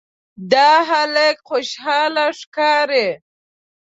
دا هلک خوشاله ښکاري.